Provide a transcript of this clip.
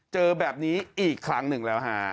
เจอแบบนี้อีกครั้งหนึ่งแล้วฮะ